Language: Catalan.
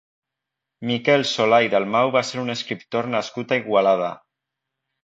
Miquel Solà i Dalmau va ser un escriptor nascut a Igualada.